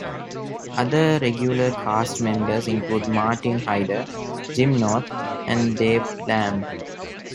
Other regular cast members include Martin Hyder, Jim North, and Dave Lamb.